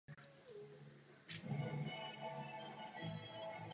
Byl třikrát ženatý.